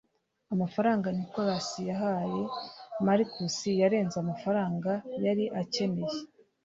Amafaranga Nicholas yahaye Marcus yarenze amafaranga yari akeneye